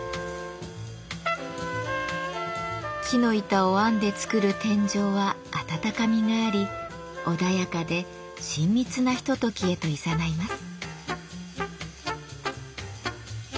木の板を編んで作る天井は温かみがあり穏やかで親密なひとときへといざないます。